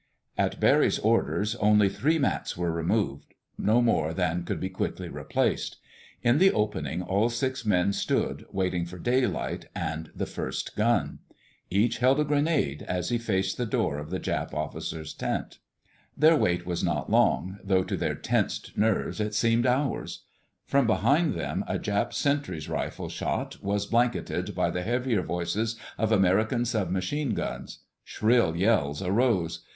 At Barry's orders, only three mats were removed—no more than could be quickly replaced. In the opening all six men stood, waiting for daylight and the first gun. Each held a grenade, as he faced the door of the Jap Officers' tent. [Illustration: "Here's a Trench!" He Whispered Over His Shoulder] Their wait was not long, though to their tensed nerves it seemed hours. From behind them a Jap sentry's rifle shot was blanketed by the heavier voices of American sub machine guns. Shrill yells arose.